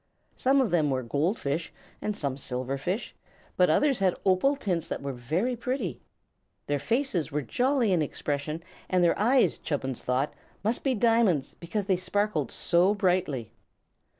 Some of them were gold fish and some silver fish, but others had opal tints that were very pretty. Their faces were jolly in expression and their eyes, Chubbins thought, must be diamonds, because they sparkled so brightly.